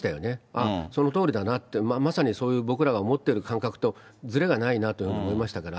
あっ、そのとおりだなって、まさにそういう、僕らが持ってる感覚とずれがないなと思いましたから。